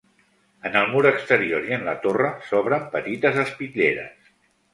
En el mur exterior i en la torre, s'obren petites espitlleres.